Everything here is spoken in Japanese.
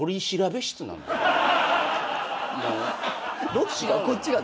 どっちが？